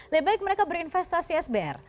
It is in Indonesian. lebih baik mereka berinvestasi sbr